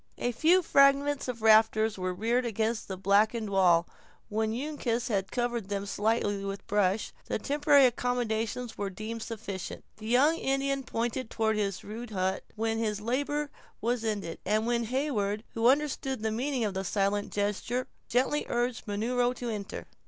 A few fragments of rafters were reared against a blackened wall; and when Uncas had covered them slightly with brush, the temporary accommodations were deemed sufficient. The young Indian pointed toward his rude hut when his labor was ended; and Heyward, who understood the meaning of the silent gestures, gently urged Munro to enter.